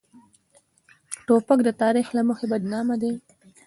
توپک د تاریخ له مخې بدنامه ده.